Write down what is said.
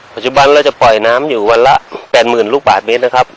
ปัจจุบันเราจะปล่อยน้ำอยู่วันละ๘๐๐๐ลูกบาทเมตรนะครับ